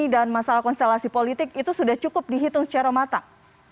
dan masalah konstelasi politik itu sudah cukup dihitung secara matang